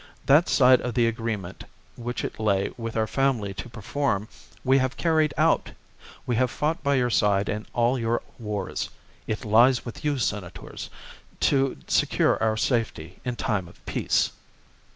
That side of the agree ment which it lay with our family to perform we have carried out ; we have fought by your side in all your wars ; it lies with you. Senators, to secure our safety in time of peace.